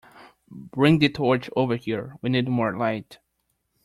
Bring the torch over here; we need more light